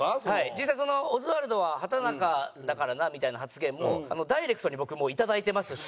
実際「オズワルドは畠中だからな」みたいな発言もダイレクトに僕もういただいてますし。